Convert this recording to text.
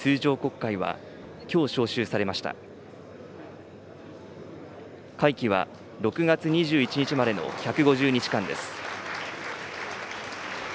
会期は６月２１日までの１５０日間です。